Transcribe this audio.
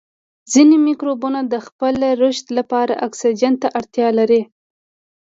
ځینې مکروبونه د خپل رشد لپاره اکسیجن ته اړتیا لري.